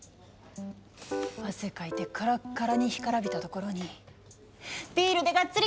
汗かいてカラッカラに干からびたところにビールでガッツリ